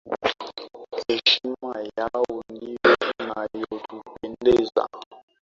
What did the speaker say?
Heshima yao ndiyo inayotupendeza